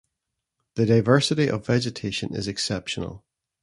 The diversity of vegetation is exceptional.